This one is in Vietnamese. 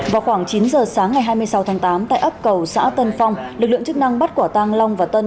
vào khoảng chín giờ sáng ngày hai mươi sáu tháng tám tại ấp cầu xã tân phong lực lượng chức năng bắt quả tăng long và tân